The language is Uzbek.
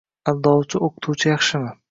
Aldovchi o'qituvchi yaxshimi?..